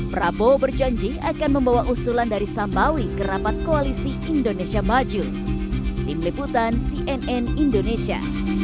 prabowo berjanji akan membawa usulan dari samawi kerapat koalisi indonesia maju tim liputan cnn indonesia